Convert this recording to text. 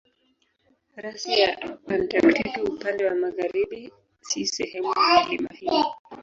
Rasi ya Antaktiki upande wa magharibi si sehemu ya milima hiyo.